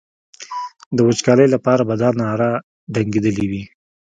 د وچکالۍ لپاره به دا نغاره ډنګېدلي وي.